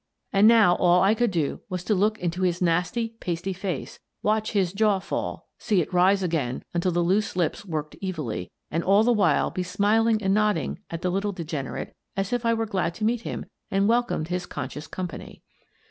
And now all that I could do was to look into his nasty, pasty face, watch his jaw fall, see it rise again until the loose lips worked evilly — and all the while be smiling and nodding at the little degenerate as if I were glad to meet him and welcomed his conscious company.